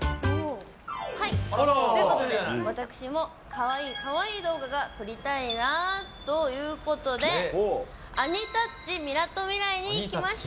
はい、ということで、私も、かわいいかわいい動画が撮りたいなということで、アニタッチみなとみらいに来ました。